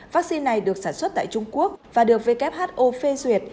vaccine này được sản xuất tại trung quốc và được who phê duyệt